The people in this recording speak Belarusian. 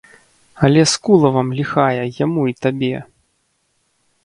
Але скула вам ліхая, яму і табе!